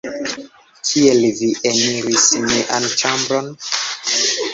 Kiel vi eniris mian ĉambron?